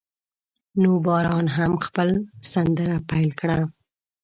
نو باران هم خپل سندره پیل کړه.